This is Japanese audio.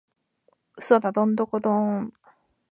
嘘だドンドコドーン！